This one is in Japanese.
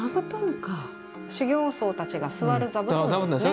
修行僧たちが座る座布団ですね。